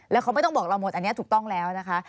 แล้วเขาไม่ต้องบอกเราหมดอันนี้ถูกต้องแล้วนะคะ